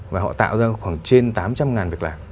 và họ tạo ra khoảng trên tám trăm linh việc làm